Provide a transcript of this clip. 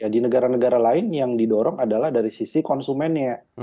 di negara negara lain yang didorong adalah dari sisi konsumennya